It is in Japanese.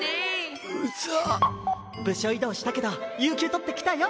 ウザッ部署異動したけど有休取って来たよ